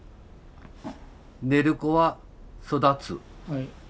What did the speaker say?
寝る子は育つ。